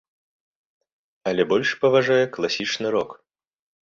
Але больш паважае класічны рок.